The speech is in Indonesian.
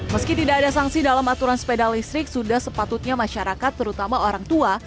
meski tidak ada sanksi dalam aturan sepeda listrik sudah sepatutnya masyarakat terutama orang tua